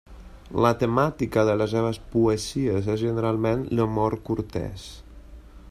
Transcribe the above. La temàtica de les seves poesies és generalment l'amor cortès.